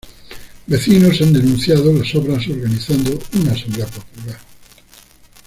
Vecinos han denunciado las obras organizando una asamblea popular.